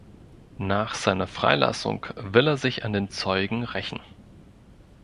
Nach seiner Freilassung will er sich an den Zeugen rächen.